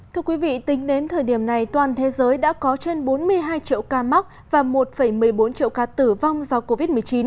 thưa quý vị tính đến thời điểm này toàn thế giới đã có trên bốn mươi hai triệu ca mắc và một một mươi bốn triệu ca tử vong do covid một mươi chín